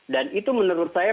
dan itu menurut saya